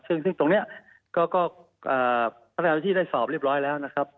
ซึ่งตรงนี้ก็พนักงานที่ได้สอบเรียบร้อยแล้วนะครับ